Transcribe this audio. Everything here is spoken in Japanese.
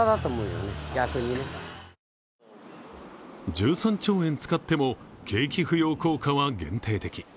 １３兆円使っても景気浮揚効果は限定的。